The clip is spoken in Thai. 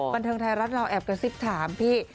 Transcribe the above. บันเทิงไทยรัฐเราแอบกระซิบถามพี่